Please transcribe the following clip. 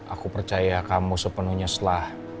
aku percaya kamu sepenuhnya setelah